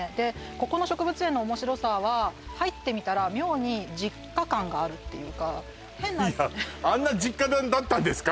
ここの植物園の面白さは入ってみたら妙に実家感があるっていうかいやあんな実家だったんですか？